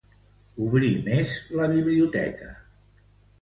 Obri més la biblioteca.